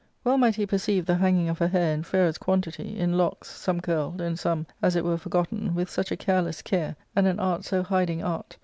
Well might he perceive the hanging of her hair in fairest quantity, in locks, some curled, and some, as it were, for / gotten, with such a careless care, and an art sojhidingjirt